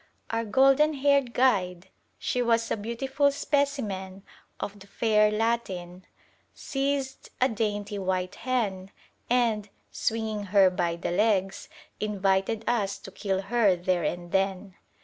Our golden haired guide (she was a beautiful specimen of the fair Latin) seized a dainty white hen and, swinging her by the legs, invited us to kill her there and then.